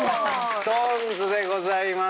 ＳｉｘＴＯＮＥＳでございます。